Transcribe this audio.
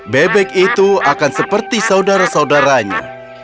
bebek itu akan seperti saudara saudaranya